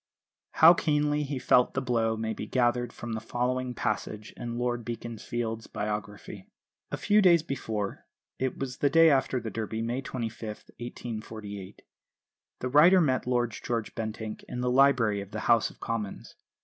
How keenly he felt the blow may be gathered from the following passage in Lord Beaconsfield's biography: "A few days before it was the day after the Derby, May 25, 1848 the writer met Lord George Bentinck in the library of the House of Commons.